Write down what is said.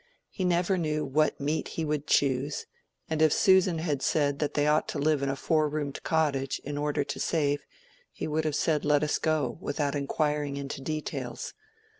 He never knew what meat he would choose, and if Susan had said that they ought to live in a four roomed cottage, in order to save, he would have said, "Let us go," without inquiring into details.